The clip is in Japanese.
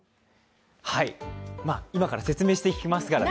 今から説明していきますからね。